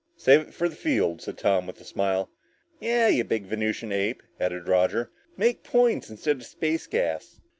"Save it for the field," said Tom with a smile. "Yeah, you big Venusian ape," added Roger. "Make points instead of space gas."